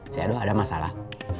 si aduh ada masalah